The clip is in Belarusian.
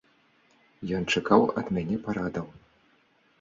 Ён чакаў ад мяне парадаў.